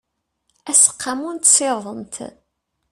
aseqqamu n tsiḍent